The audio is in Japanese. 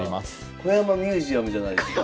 小山ミュージアムじゃないですか。